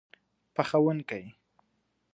پخوونکی